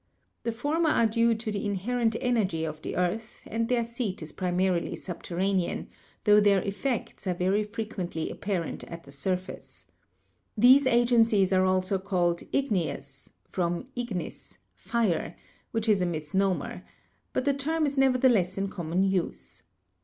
4 The former are due to the inherent energy of the earth, and their seat is primarily subterranean, tho their effects are very frequently apparent at the surface. These agen cies are also called 'igneous' (from 'ignis/ fire), which is a misnomer; but the term is nevertheless in common use.